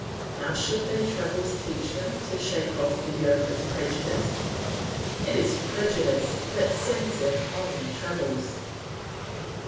How should their travels teach them to shake off the yoke of prejudice? It is prejudice that sends them on their travels.